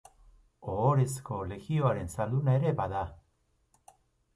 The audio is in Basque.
Ohorezko Legioaren zalduna ere bada.